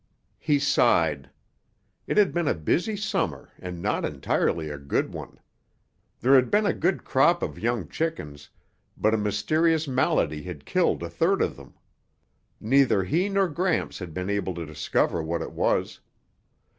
He sighed. It had been a busy summer and not entirely a good one. There had been a good crop of young chickens, but a mysterious malady had killed a third of them. Neither he nor Gramps had been able to discover what it was.